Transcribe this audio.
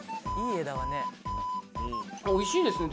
おいしいですね。